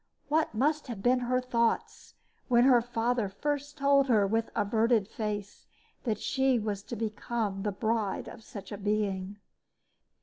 What must have been her thoughts when her father first told her with averted face that she was to become the bride of such a being?